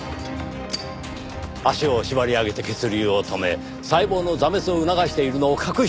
足を縛り上げて血流を止め細胞の挫滅を促しているのを隠していたんですよ。